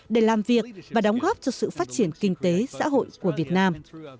để làm việc và đóng góp cho sự phát triển kinh tế xã hội của việt nam